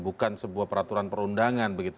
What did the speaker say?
bukan sebuah peraturan perundangan begitu